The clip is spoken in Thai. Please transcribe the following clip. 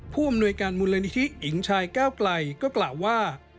ผู้อำนวยการมูลนิธิหญิงชายก้าวไกลก็กล่าวว่า